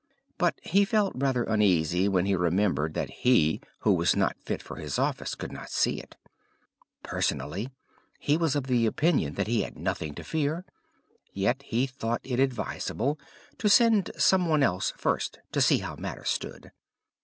But he felt rather uneasy when he remembered that he who was not fit for his office could not see it. Personally, he was of opinion that he had nothing to fear, yet he thought it advisable to send somebody else first to see how matters stood.